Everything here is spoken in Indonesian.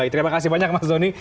terima kasih banyak mas doni